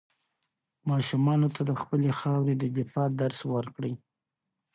ماشومانو ته د خپلې خاورې د دفاع درس ورکړئ.